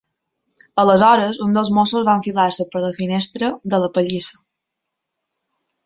Aleshores un dels mossos va enfilar-se per la finestra de la pallissa.